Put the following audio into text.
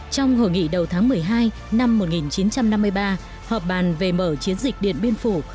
trong hội nghị đầu tháng một mươi hai năm một nghìn chín trăm năm mươi ba họp bàn về mở chiến dịch điện biên phủ